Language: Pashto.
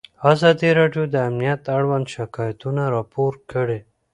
ازادي راډیو د امنیت اړوند شکایتونه راپور کړي.